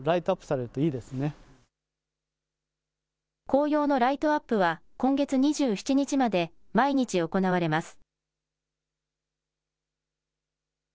紅葉のライトアップは今月２７日まで、毎日行われます。